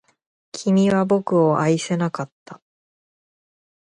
君は僕を愛せなかった